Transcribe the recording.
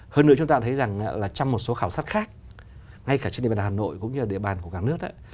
hơn nữa chúng ta thấy rằng là trong một số khảo sát khác ngay cả trên địa bàn hà nội cũng như địa bàn của cả nước á